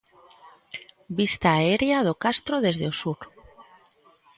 Vista aérea do castro desde o sur.